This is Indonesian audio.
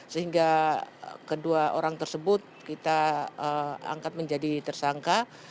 sehingga kedua orang tersebut kita angkat menjadi tersangka